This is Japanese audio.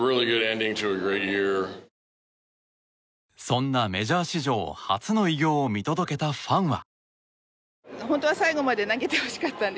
そんなメジャー史上初の偉業を見届けたファンは。